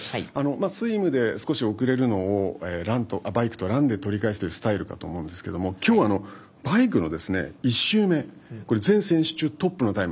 スイムで少しおくれるのをバイクとランで取り返すというスタイルかと思いますがきょうはバイクの１周目、全選手中トップのタイム。